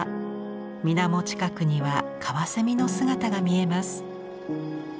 水面近くにはカワセミの姿が見えます。